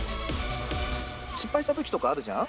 失敗したときとかあるじゃん？